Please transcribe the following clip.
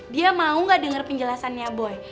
dia mau gak dengar penjelasannya boy